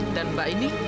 dan mbak ini